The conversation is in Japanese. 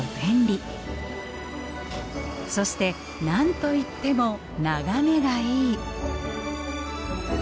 そして何と言っても眺めがいい！